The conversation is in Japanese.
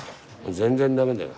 全然駄目だよ。